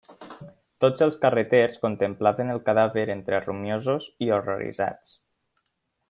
Tots els carreters contemplaven el cadàver, entre rumiosos i horroritzats.